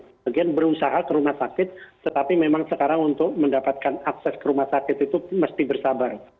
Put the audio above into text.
sebagian berusaha ke rumah sakit tetapi memang sekarang untuk mendapatkan akses ke rumah sakit itu mesti bersabar